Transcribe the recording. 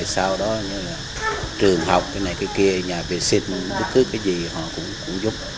sau đó là trường học cái này cái kia nhà vệ sinh bất cứ cái gì họ cũng giúp